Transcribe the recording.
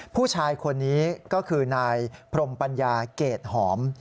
ผู้ชายคนนี้ก็คือนายพรมปัญญาเกรดหอม